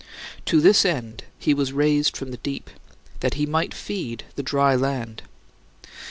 To this end he was raised from the deep: that he might feed "the dry land."